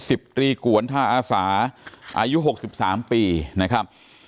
สิบตรีกวนทาอาสาอายุหกสิบสามปีนะครับ